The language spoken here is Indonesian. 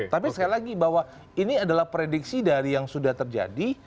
tapi sekali lagi bahwa ini adalah prediksi dari yang sudah terjadi